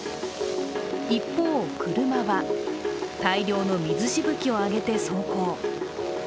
一方、車は大量の水しぶきを上げて、走行。